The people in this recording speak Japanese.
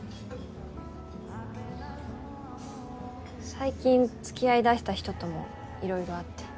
最近付き合いだした人とも色々あって。